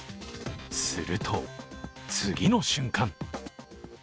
すると次の瞬間。